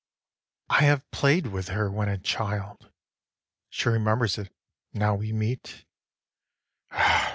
10. I have play'd with her when a child; She remembers it now we meet.